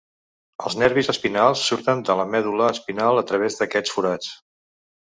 Els nervis espinals surten de la medul·la espinal a través d'aquests forats.